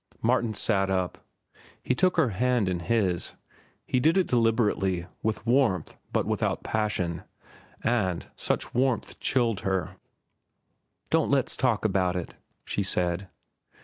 Martin sat up. He took her hand in his. He did it deliberately, with warmth but without passion; and such warmth chilled her. "Don't let's talk about it," she said.